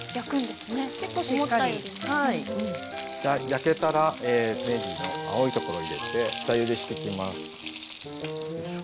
焼けたらねぎの青いところ入れて下ゆでしていきます。